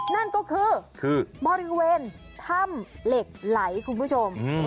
นั่นก็คือบริเวณถ้ำเหล็กไหลคุณผู้ชม